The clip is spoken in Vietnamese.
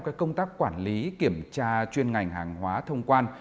các công tác quản lý kiểm tra chuyên ngành hàng hóa thông quan